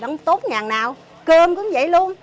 bốn mươi ngàn nào cơm cũng vậy luôn